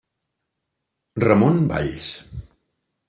Ramon Valls.